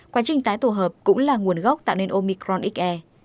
quá trình tái tổ hợp cũng là nguồn gốc tạo nên omicron xe